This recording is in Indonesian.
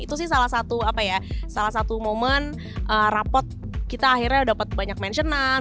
itu sih salah satu apa ya salah satu moment rapot kita akhirnya dapat banyak mention an